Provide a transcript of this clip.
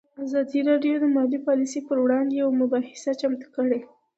ازادي راډیو د مالي پالیسي پر وړاندې یوه مباحثه چمتو کړې.